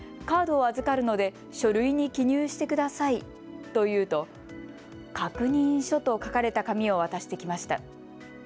カードを預かるので書類に記入してくださいと言うと確認書と書かれた紙を渡してきました。